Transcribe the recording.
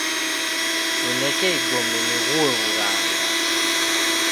Nineka igome nighuo wughanga